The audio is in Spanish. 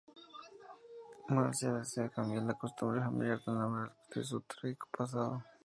Marcia desea cambiar la costumbre familiar de no hablar de su trágico pasado.